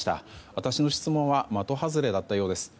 私の質問は的外れだったようです。